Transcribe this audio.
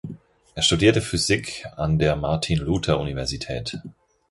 Er studierte Physik an der Martin-Luther-Universität.